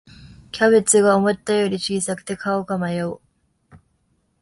キャベツが思ったより小さくて買うか迷う